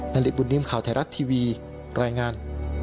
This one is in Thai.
นาริบุญนิ่มข่าวไทยรัฐทีวีรายงาน